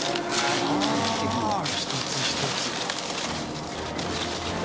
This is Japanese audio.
一つ一つ。